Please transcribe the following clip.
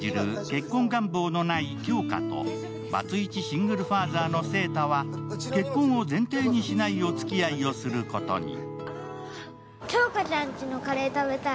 結婚願望のない杏花とバツイチシングルファーザーの晴太は結婚を前提としないおつき合いをすることに。